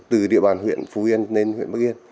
từ địa bàn huyện phú yên lên huyện bắc yên